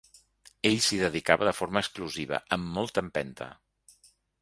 Ell s’hi dedicava de forma exclusiva, amb molta empenta.